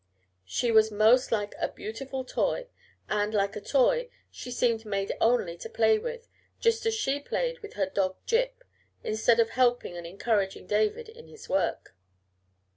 She was most like a beautiful toy; and like a toy, she seemed made only to play with, just as she played with her dog Jip, instead of helping and encouraging David in his work.